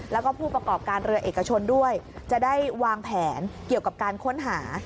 แล้วก็ผู้ประกอบการเรือเอกชนด้วยจะได้วางแผนเกี่ยวกับการค้นหา